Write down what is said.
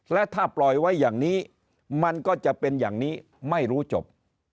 และถ้าปล่อยไว้อย่างนี้มันก็จะเป็นอย่างนี้ไม่รู้จบ